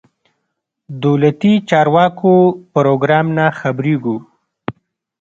دولتي چارواکو پروګرام نه خبرېږو.